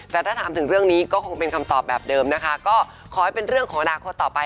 แต่ถ้าถามถึงเรื่องนี้ก็คงเป็นคำตอบแบบเดิมนะคะ